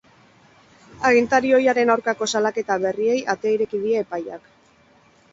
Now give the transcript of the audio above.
Agintari ohiaren aurkako salaketa berriei atea ireki die epaiak.